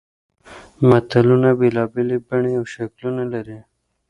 متلونه بېلابېلې بڼې او شکلونه لري